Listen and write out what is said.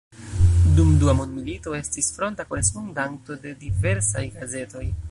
Dum dua mondmilito estis fronta korespondanto de diversaj gazetoj.